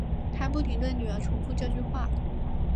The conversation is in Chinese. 她不停对女儿重复这句话